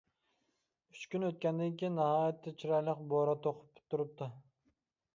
ئۈچ كۈن ئۆتكەندىن كېيىن، ناھايىتى چىرايلىق بورا توقۇپ پۈتتۈرۈپتۇ.